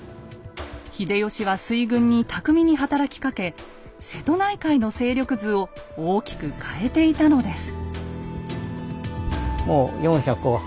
秀吉は水軍に巧みに働きかけ瀬戸内海の勢力図を大きく変えていたのです。